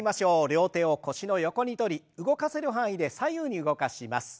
両手を腰の横にとり動かせる範囲で左右に動かします。